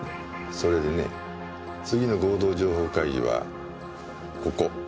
それでね次の合同情報会議はここ。